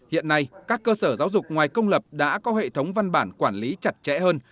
hiện nay các cơ sở giáo dục ngoài công lập đã có hệ thống văn bản quản lý chặt chẽ hơn